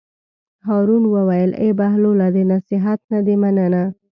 هارون وویل: ای بهلوله د نصیحت نه دې مننه.